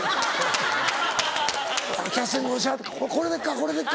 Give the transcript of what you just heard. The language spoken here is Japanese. これでっか？